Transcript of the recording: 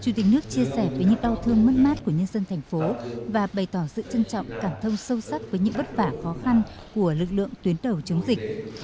chủ tịch nước chia sẻ với những đau thương mất mát của nhân dân thành phố và bày tỏ sự trân trọng cảm thông sâu sắc với những vất vả khó khăn của lực lượng tuyến đầu chống dịch